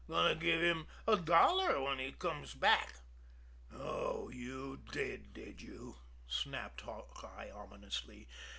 Goin' to give him a dollar when he comes back." "Oh, you did, did you!" snapped Hawkeye ominously.